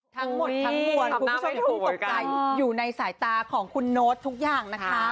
ทั้งหมดทั้งมวลคุณผู้ชมตกใจอยู่ในสายตาของคุณโน๊ตทุกอย่างนะคะ